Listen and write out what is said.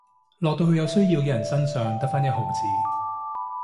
落到去有需要嘅人身上得返一毫子